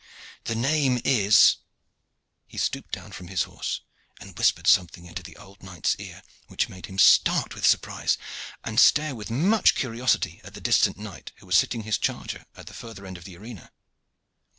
The name is " He stooped down from his horse and whispered something into the old knight's ear which made him start with surprise, and stare with much curiosity at the distant Knight, who was sitting his charger at the further end of the arena.